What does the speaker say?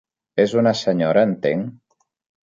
És una senyora, entenc?